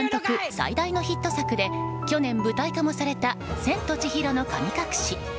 最大のヒット作で去年、舞台化もされた「千と千尋の神隠し」。